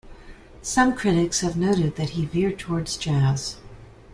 Some critics have noted that he veered towards jazz.